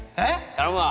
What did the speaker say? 頼むわ。